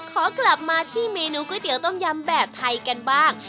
ขอกลับมาที่เมนูก๋วยเตี๋ยต้มยำแบบไทยกันบ้าง